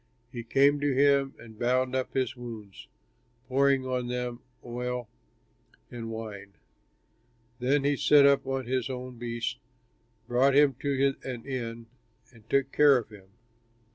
He came to him and bound up his wounds, pouring on them oil and wine. Then he set him on his own beast, brought him to an inn, and took care of him.